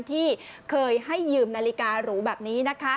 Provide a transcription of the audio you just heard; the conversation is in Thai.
ที่เคยให้ยืมนาฬิการุหแบบนี้